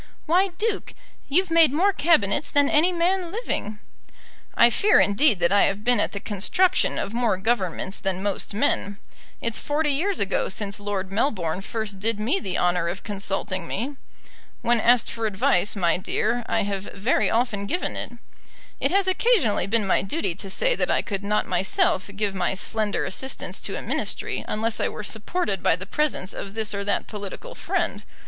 "Why, Duke, you've made more Cabinets than any man living." "I fear, indeed, that I have been at the construction of more Governments than most men. It's forty years ago since Lord Melbourne first did me the honour of consulting me. When asked for advice, my dear, I have very often given it. It has occasionally been my duty to say that I could not myself give my slender assistance to a Ministry unless I were supported by the presence of this or that political friend.